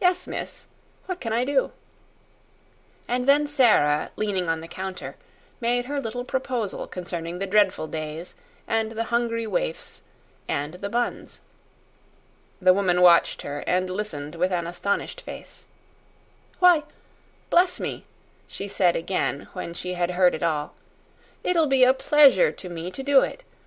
Yes, miss. What can I do?" And then Sara, leaning on the counter, made her little proposal concerning the dreadful days and the hungry waifs and the buns. The woman watched her, and listened with an astonished face. "Why, bless me!" she said again when she had heard it all; "it'll be a pleasure to me to do it.